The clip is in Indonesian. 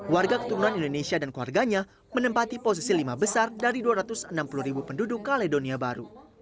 warga keturunan indonesia dan keluarganya menempati posisi lima besar dari dua ratus enam puluh ribu penduduk kaledonia baru